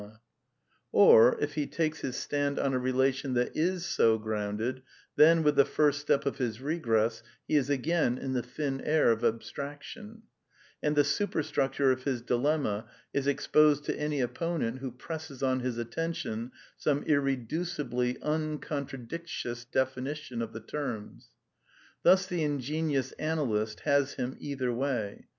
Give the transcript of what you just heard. THE NEW EEALISM 203 Or, if he takes his stand on a relation that is so grounded, then, with the first step of his regress, he is again in the thin air of abstraction; and the ' superstructure of his dilemma is exposed to any opponent who presses on his attention some irreducibly uncontradictious definition of the terms. Thus the ingenious analyst " has " him either way.